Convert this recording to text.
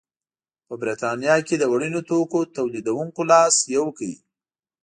په برېټانیا کې د وړینو توکو تولیدوونکو لاس یو کړ.